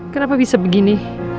kenapa bisa begini